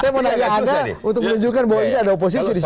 saya mau nanya anda untuk menunjukkan bahwa ini ada oposisi di sana